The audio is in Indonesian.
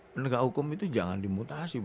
penegak hukum itu jangan dimutasi